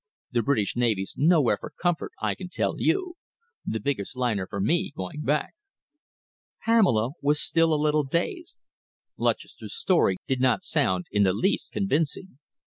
The British Navy's nowhere for comfort, I can tell you. The biggest liner for me, going back!" Pamela was still a little dazed. Lutchester's story did not sound in the least convincing.